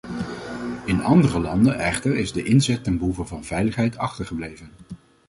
In andere landen echter is de inzet ten behoeve van veiligheid achtergebleven.